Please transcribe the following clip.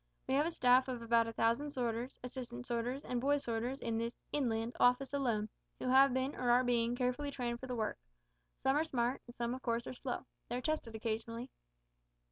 We have a staff of about a thousand sorters, assistant sorters, and boy sorters in this (Inland) office alone, who have been, or are being, carefully trained for the work. Some are smart, and some of course are slow. They are tested occasionally.